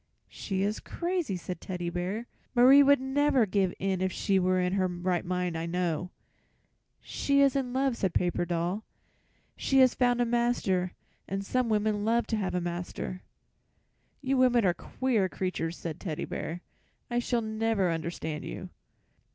"She is crazy," said Teddy Bear. "Marie would never give in if she were in her right mind, I know." "She is in love," said Paper Doll. "She has found a master, and some women love to have a master." "You women are queer creatures," said Teddy Bear. "I shall never understand you."